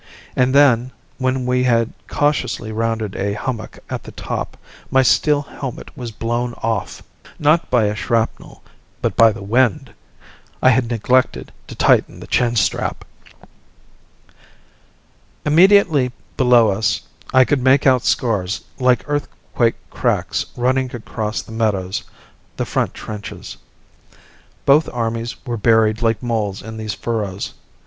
And then, when we had cautiously rounded a hummock at the top, my steel helmet was blown off not by a shrapnel, but by the wind! I had neglected to tighten the chin strap. Immediately below us I could make out scars like earthquake cracks running across the meadows the front trenches. Both armies were buried like moles in these furrows.